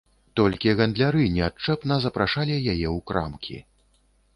Толькі гандляры неадчэпна запрашалі яе ў крамкі.